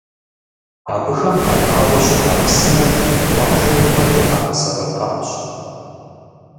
Абыхэм къатӏауэ щыта псынэр къуажэм куэдрэ къагъэсэбэпащ.